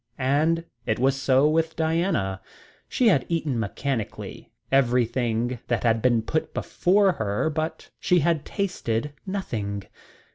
And it was so with Diana. She had eaten mechanically everything that had been put before her, but she had tasted nothing.